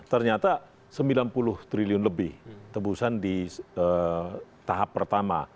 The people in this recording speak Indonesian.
ternyata sembilan puluh triliun lebih tebusan di tahap pertama